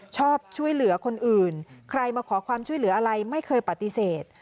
ชอบช่วยเหลือคนอื่นใครมาขอความช่วยเหลืออะไรไม่เคยปฏิเสธ